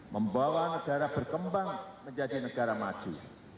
membawa negara berkembang menjadi negara maju